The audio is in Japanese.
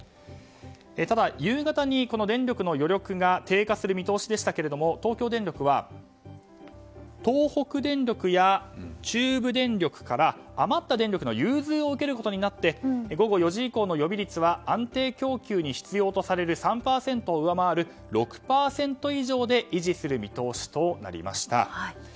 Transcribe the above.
ただ、夕方に電力の余力が低下する見通しでしたけれども東京電力は東北電力や中部電力から余った電力の融通を受けることになって午後４時以降の予備率は安定供給に必要とされる３％を上回る６％以上で維持する見通しとなりました。